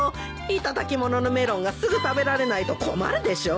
頂き物のメロンがすぐ食べられないと困るでしょ。